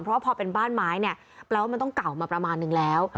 เพราะพอเป็นบ้านไม้เนี่ยแปลว่ามันต้องเก่ามาประมาณนึงแล้ว